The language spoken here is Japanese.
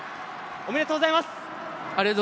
ありがとうございます。